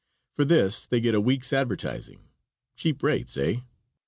For this they get a week's advertising; cheap rates, eh?